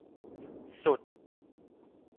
สุด